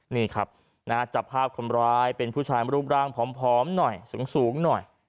นี่ครับนะฮะจับภาพคนร้ายเป็นผู้ชายรูปร่างผอมหน่อยสูงหน่อย